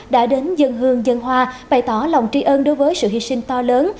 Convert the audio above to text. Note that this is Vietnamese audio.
đã đến dân hương dân hoa bày tỏ lòng trí ơn đối với sự hy sinh to lớn